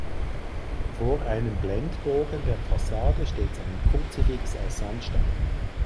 Vor einem Blendbogen der Fassade steht ein Kruzifix aus Sandstein.